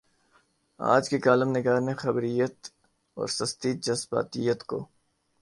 آج کے کالم نگار نے خبریت اورسستی جذباتیت کو